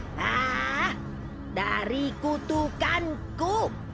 hah dari kutukanku